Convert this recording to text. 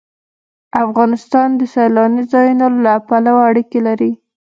افغانستان د سیلاني ځایونو له پلوه اړیکې لري.